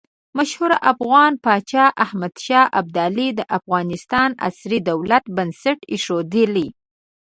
مشهور افغان پاچا احمد شاه ابدالي د افغانستان عصري دولت بنسټ ایښودلی.